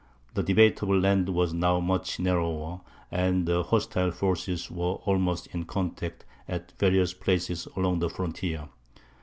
The debatable land was now much narrower, and the hostile forces were almost in contact at various places along the frontier.